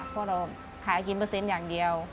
เพราะเราขายกินเปอร์เซ็นต์อย่างเดียว